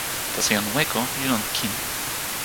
taso jan Weko li lon kin.